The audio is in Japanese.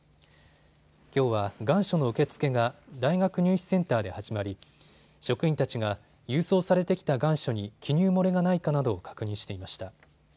きょうは願書の受け付けが大学入試センターで始まり、職員たちが郵送されてきた願書に記入漏れがないかなどを確認していました。